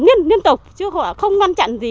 liên tục chứ họ không quan trọng gì